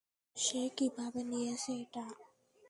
সে কীভাবে নিয়েছে এটা?